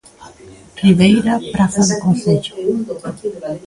Ribeira, Praza do Concello.